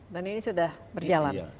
dan ini sudah berjalan